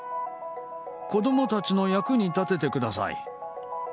子供たちの役に立ててください。